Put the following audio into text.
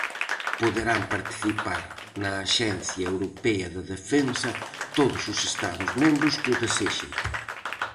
Poderán participar na Axencia Europea de Defensa todos os Estados membros que o desexen.